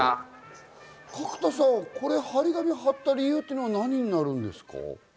角田さん、これ貼り紙を貼った理由は何になるんですか？